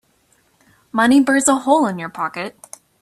Money burns a hole in your pocket.